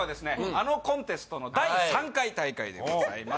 あのコンテストの第３回大会でございます